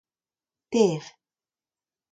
teir.